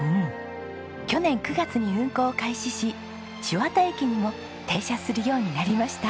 去年９月に運行を開始し千綿駅にも停車するようになりました。